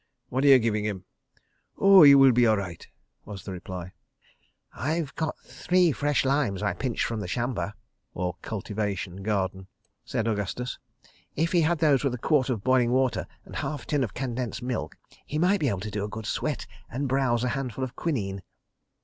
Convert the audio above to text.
"What are you giving him?" "Oah, he will be all right," was the reply. "I've got three fresh limes I pinched from that shamba," said Augustus. "If he had those with a quart of boiling water and half a tin of condensed milk, he might be able to do a good sweat and browse a handful of quinine."